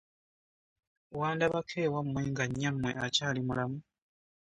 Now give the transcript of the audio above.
Wandabako ewammwe nga nnyammwe akyali mulamu?